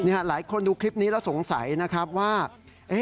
เนี่ยหลายคนดูคลิปนี้แล้วสงสัยนะครับว่าเนี่ยเกิดอะไรขึ้น